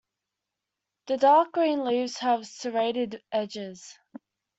The dark green leaves have serrated edges.